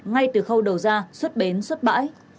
ngay từ khâu đầu ra xuất bến xuất bãi